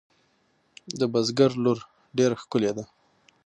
د بزگر لور ډېره ښکلې ده.